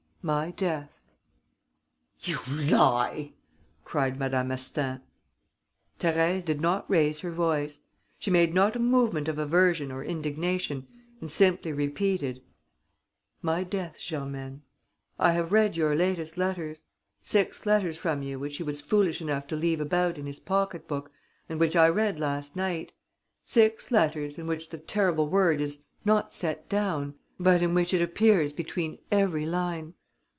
"My death." "You lie!" cried Madame Astaing. Thérèse did not raise her voice. She made not a movement of aversion or indignation and simply repeated: "My death, Germaine. I have read your latest letters, six letters from you which he was foolish enough to leave about in his pocket book and which I read last night, six letters in which the terrible word is not set down, but in which it appears between every line.